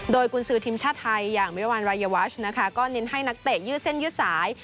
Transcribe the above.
โดยกุญสือทีมชาติไทยอย่างมิรวรรณรายวัชนะคะก็เน้นให้นักเตะยืดเส้นยืดสาย